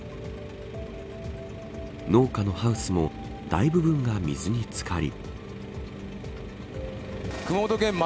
農家のハウスも大部分が水に漬かり。